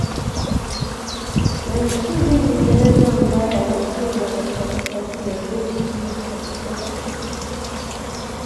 ya nchini Uingereza ambaye anacheza katika nafasi ya beki wa kushoto.